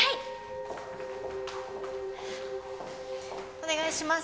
お願いします。